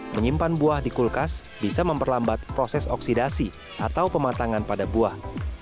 menyimpan buah di kulkas bisa memperlambat proses oksidasi atau pematangan pada buah